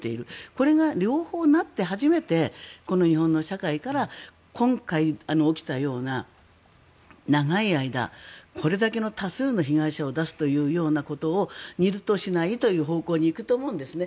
これが両方なって初めて日本の社会から今回起きたような長い間これだけの多数の被害者を出すというようなことを二度としないという方向に行くと思うんですね。